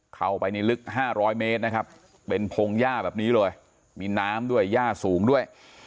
เข้าไปในลึก๕๐๐เมตรนะครับเป็นพงหญ้าแบบนี้เลยมีน้ำด้วยย่าสูงด้วย